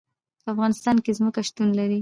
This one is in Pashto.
په افغانستان کې ځمکه شتون لري.